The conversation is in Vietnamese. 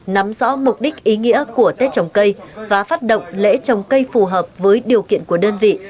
nắm rõ mục đích ý nghĩa của tết trồng cây và phát động lễ trồng cây phù hợp với điều kiện của đơn vị